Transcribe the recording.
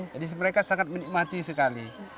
jadi mereka sangat menikmati sekali